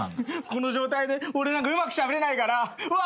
この状態で俺なんかうまくしゃべれないからうわ！